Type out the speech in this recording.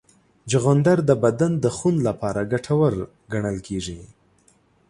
چغندر د بدن د خون لپاره ګټور ګڼل کېږي.